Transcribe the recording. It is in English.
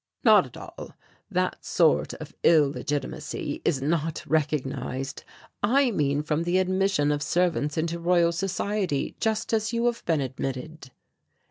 "Not at all; that sort of illegitimacy is not recognized. I mean from the admission of servants into Royal Society, just as you have been admitted."